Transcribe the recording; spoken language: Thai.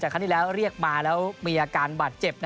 จะเรียกมาแล้วมีอาการบาดเจ็บ